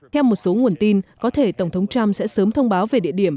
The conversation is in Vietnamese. theo một số nguồn tin có thể tổng thống trump sẽ sớm thông báo về địa điểm